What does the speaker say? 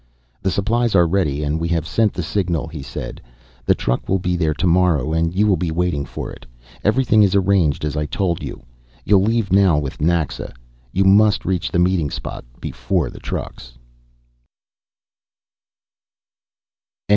"The supplies are ready and we have sent the signal," he said. "The truck will be there tomorrow and you will be waiting for it. Everything is arranged as I told you. You'll leave now with Naxa. You must reach the meeting spot before the trucks."